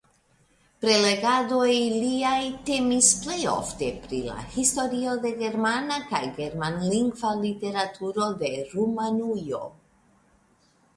Prelegadoj liaj temis plejofte pri la historio de germana kaj germanlingva literaturo de Rumanujo.